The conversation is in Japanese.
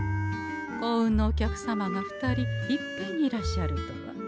幸運のお客様が２人いっぺんにいらっしゃるとは。